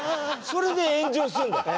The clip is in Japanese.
それで炎上するんだよ。